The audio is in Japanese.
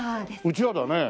うちわだね。